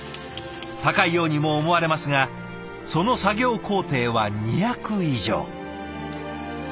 高いようにも思われますがその作業工程は２００以上。